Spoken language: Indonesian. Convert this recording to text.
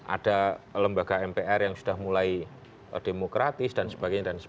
ada lembaga mpr yang sudah mulai demokratis dan sebagainya